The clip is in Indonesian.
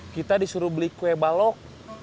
kita disuruh beli kue balok